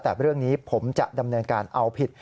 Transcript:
แต่เรื่องนี้ผมจะดำเนินการเอาผิด